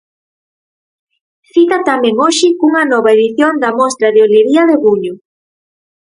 Cita tamén hoxe cunha nova edición da Mostra de Olería de Buño.